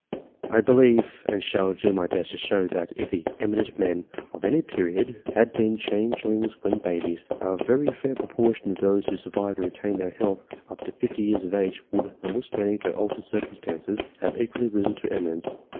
I believe, and shall do my best to show, that, if the " eminent " men of any period, had been changelings when babies, a very fair proportion of those who survived and retained their health up to fifty years of age, would, not withstanding their altered circumstances have equally risen to eminence.